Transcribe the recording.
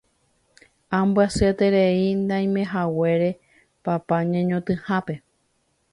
ambyasyeterei naimeihaguére papa ñeñotỹhápe